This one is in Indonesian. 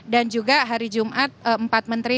dan juga hari jumat empat menteri